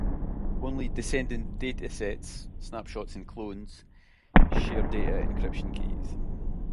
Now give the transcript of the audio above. Only descendant datasets (snapshots and clones) share data encryption keys.